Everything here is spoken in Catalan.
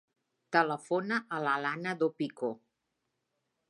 Telefona a l'Alana Dopico.